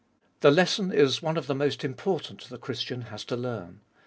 The lesson is one of the most important the Christian has to learn.